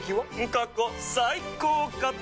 過去最高かと。